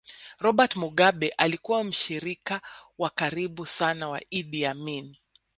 Robert Mugabe alikuwa mshirika wa karibu sana wa Idi Amin